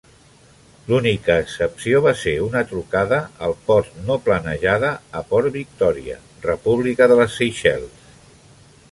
L'única excepció va ser una trucada al port no planejada a Port Victòria, República de les Seychelles.